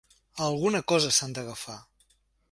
A alguna cosa s’han d’agafar.